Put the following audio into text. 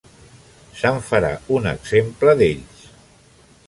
Se'n farà un exemple, d'ells.